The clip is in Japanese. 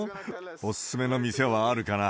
お勧めの店はあるかな？